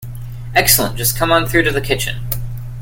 Excellent, just come on through to the kitchen.